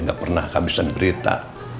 gak pernah kehabisan berita